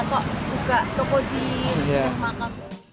kok buka toko di dekat makam